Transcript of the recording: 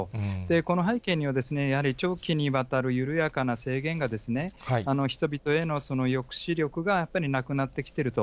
この背景には、やはり長期にわたる緩やかな制限がですね、人々への抑止力がやっぱりなくなってきてると。